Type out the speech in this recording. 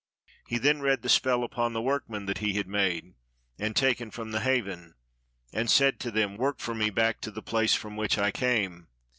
He then read the spell upon the workmen that he had made, and taken from the haven, and said to them, " Work for me, back to the place from which I came."